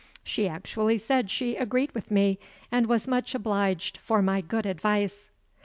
She actually said she agreed with me, and was much obliged for my good advice!